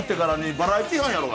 バラエティー班だろう。